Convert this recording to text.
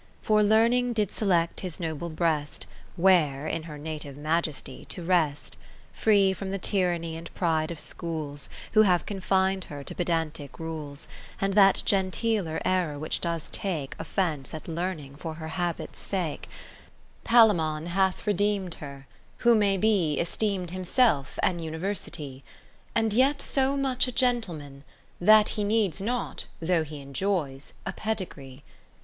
For Learning did select his noble breast. Where (in her native majesty) to rest ; 20 Free from the tyranny and pride of Schools, Who have confin'd her to pedantic rules ; And that gentiler ^ error which does take Offence at Learning for her habit's sake, Palaemon hath redeem'd her, who may be Esteem'd himself an University; And yet so muchagentleman, that he Needs not (though he enjoys) a pedigree.